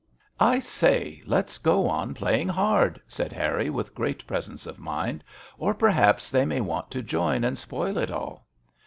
" I say, let's go on playing hard," said Harry, with great pre sence of mind, " or perhaps they may want to join and spoil it all."